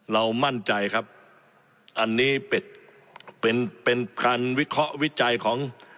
เรามั่นใจครับอันนี้เป็นเป็นเป็นการวิเคราะห์วิจัยของ